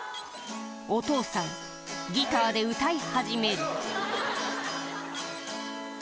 お父さんギターで歌い始める